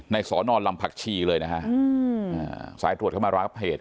สอนอนลำผักชีเลยนะฮะสายตรวจเข้ามารับเหตุ